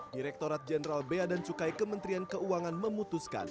direktorat jenderal beadan cukai kementerian keuangan memutuskan